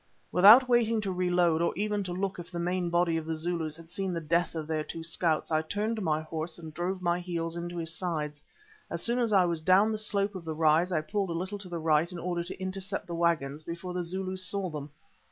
Without waiting to reload, or even to look if the main body of the Zulus had seen the death of their two scouts, I turned my horse and drove my heels into his sides. As soon as I was down the slope of the rise I pulled a little to the right in order to intercept the waggons before the Zulus saw them.